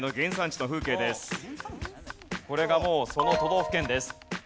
石材のこれがもうその都道府県です。